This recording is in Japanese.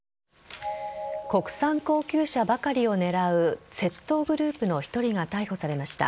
国産高級車ばかりを狙う窃盗グループの１人が逮捕されました。